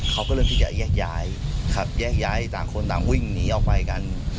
เขาก็เริ่มที่จะแยกย้ายครับแยกย้ายต่างคนต่างวิ่งหนีออกไปกัน